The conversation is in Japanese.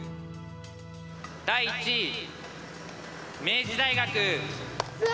第１位、明治大学。